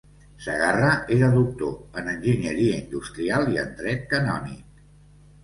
Segarra era doctor en Enginyeria Industrial i en Dret Canònic.